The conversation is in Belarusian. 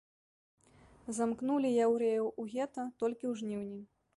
Замкнулі яўрэяў у гета толькі ў жніўні.